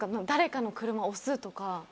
誰かの車押すとか。